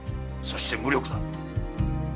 そして無力だ。